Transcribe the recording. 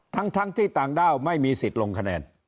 ทั้งที่ต่างด้าวไม่มีสิทธิ์ลงคะแนน